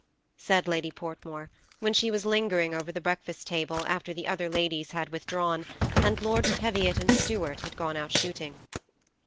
said Lady Portnaore, when she was Knger ing over the breakfast table, after the other ladies bid withdrawn, and Lord Teviot and Stuart had gone out shooting.